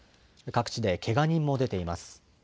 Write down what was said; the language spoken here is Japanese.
各地で、けが人も出ています。